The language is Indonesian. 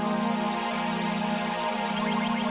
tidur untuk selamanya